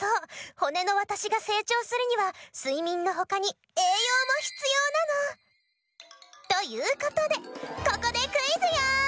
骨のわたしが成長するにはすいみんのほかに栄養も必要なの。ということでここでクイズよ。